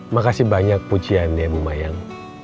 makasih banyak pujian ya bu mayang